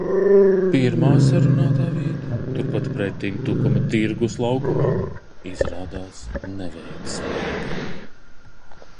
Pirmā sarunātā vieta turpat pretim Tukuma tirgus laukumam izrādās neveiksmīga.